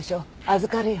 預かるよ。